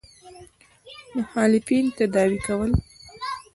مخالفین تداوي کول.